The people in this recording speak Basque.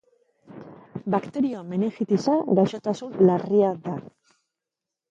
Bakterio-meningitisa gaixotasun larria da.